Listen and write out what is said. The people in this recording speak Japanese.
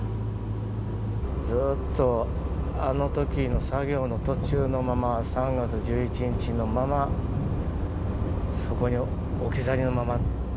ずっとあのときの作業の途中のまま、３月１１日のまま、そこに置き去りのまま。